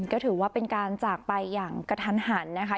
ก็ถือว่าเป็นการจากไปอย่างกระทันหันนะคะ